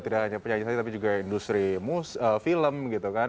tidak hanya penyanyi saja tapi juga industri film gitu kan